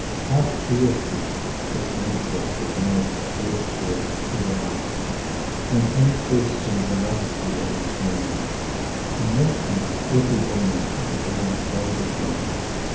How fiercely is the interest of the most virtuous aroused, when any question of a love affair is rumored. In this sense every woman is a born "go between."